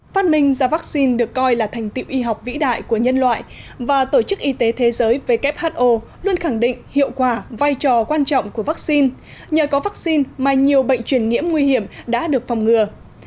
phát minh ra vaccine được coi là thành tiệu y học vĩ đại của nhân loại và tổ chức y tế thế giới who luôn khẳng định hiệu quả vai trò quan trọng của vaccine nhờ có vaccine mà nhiều bệnh truyền nhiễm nguy hiểm đã được phòng ngừa